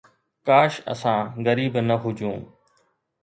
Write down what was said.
ڪاش اسان غريب نه هجون